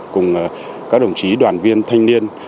cùng các đồng chí đoàn viên thanh niên